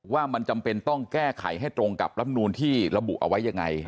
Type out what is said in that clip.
ว่ามันจำเป็นต้องแก้ไขให้ตรงกับลำนูนที่ระบุเอาไว้ยังไง